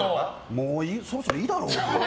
もうそろそろいいだろ！